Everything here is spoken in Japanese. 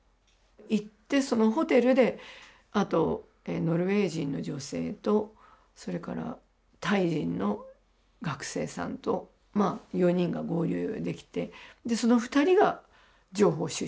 行ってそのホテルであとノルウェー人の女性とそれからタイ人の学生さんと４人が合流できてでその２人が情報収集してたんですね。